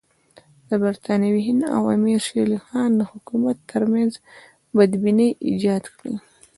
د برټانوي هند او امیر شېر علي خان د حکومت ترمنځ بدبیني ایجاد کړي.